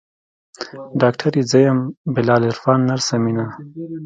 ډاکتر يې زه يم بلال عرفان نرسه مينه.